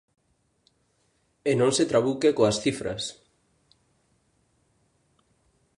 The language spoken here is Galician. E non se trabuque coas cifras.